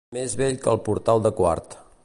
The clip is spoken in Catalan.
Més vell que el portal de Quart.